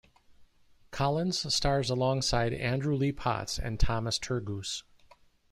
Collins stars alongside Andrew Lee Potts and Thomas Turgoose.